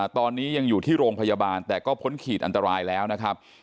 ตอนนี้ยังอยู่ที่โรงพยาบาลแต่ก็พ้นขีดอันตรายแล้วนะครับ